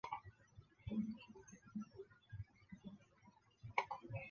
弗拉基米尔市镇是俄罗斯联邦伊尔库茨克州扎拉里区所属的一个市镇。